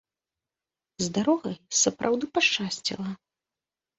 З дарогай сапраўды пашчасціла!